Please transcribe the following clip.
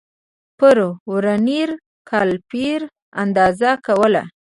پر ورنیر کالیپر اندازه کول